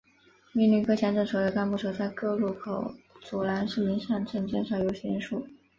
命令各乡镇所有干部守在各路口阻拦市民上镇减少游行人数。